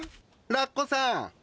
ラッコさん。